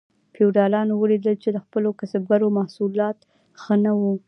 فیوډالانو ولیدل چې د خپلو کسبګرو محصولات ښه نه وو.